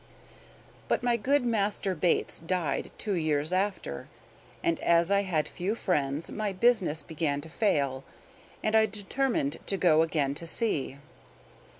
But my good master Bates died two years after; and as I had few friends my business began to fail, and I determined to go again to sea.